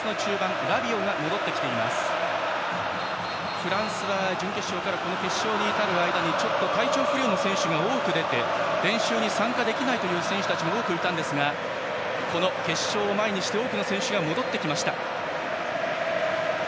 フランスは準決勝からこの決勝に至る間にちょっと体調不良の選手が多く出て練習に参加できない選手たちも多くいたんですがこの決勝を前に多くの選手が戻ってきました。